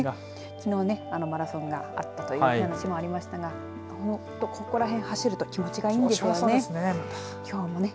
きのうマラソンがあったというお話もありましたがここらへん走ると気持ちがいいんでしょうね。